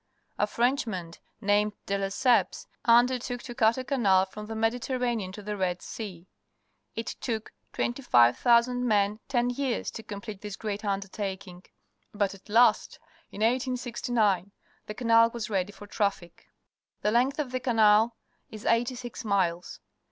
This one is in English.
A Frenchman named De Lesseps undertook to cut a canal from the Mediterranean to the Red Sea. It took 25,000 men ten years to complete this great undertaking, but at last, in 1869, the canal w\as ready for traffic. The length of the canal is eighty six miles.